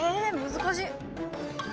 難しい！